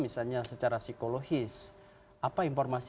misalnya secara psikologis apa informasi